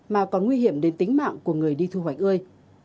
mà còn nguy hiểm đến tính mạng của người đi thu hoạch ươi